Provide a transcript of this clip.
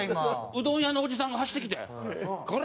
うどん屋のおじさんが走ってきて「コラー！」言うて。